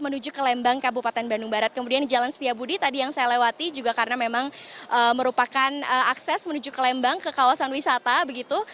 menuju ke lembang kabupaten bandung barat kemudian jalan setiabudi tadi yang saya lewati juga karena memang merupakan akses menuju ke lembang ke kawasan wisata begitu